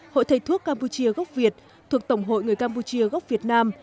hội thầy thuốc campuchia gốc việt thuộc tổng hội người campuchia gốc việt nam